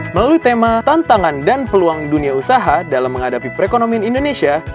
melalui tema tantangan dan peluang dunia usaha dalam menghadapi perekonomian indonesia